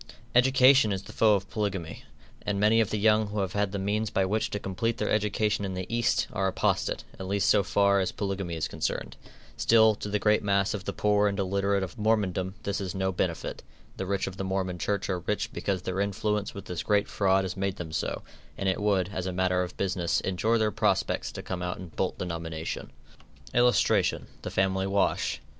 Education is the foe of polygamy, and many of the young who have had the means by which to complete their education in the East, are apostate, at least so far as polygamy is concerned. Still, to the great mass of the poor and illiterate of Mormondom this is no benefit. The rich of the Mormon Church are rich because their influence with this great fraud has made them so; and it would, as a matter of business, injure their prospects to come out and bolt the nomination. [Illustration: THE FAMILY WASH.